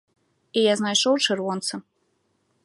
І я знайшоў чырвонца.